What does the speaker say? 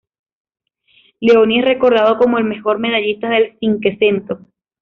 Leoni es recordado como el mejor medallista del "Cinquecento".